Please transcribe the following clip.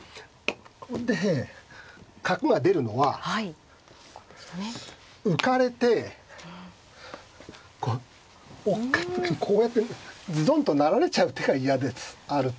これで角が出るのは浮かれてこうこうやってズドンと成られちゃう手が嫌であると。